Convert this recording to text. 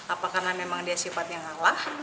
apakah karena memang dia sifatnya ngalah